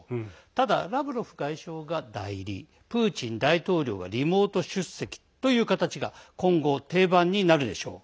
ただ、ラブロフ外相が代理プーチン大統領がリモート出席という形が今後、定番になるでしょう。